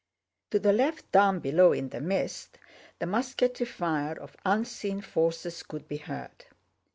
To the left down below in the mist, the musketry fire of unseen forces could be heard.